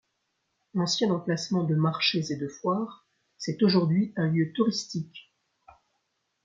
Ancien emplacement de marchés et de foires, c’est aujourd’hui un lieu touristique.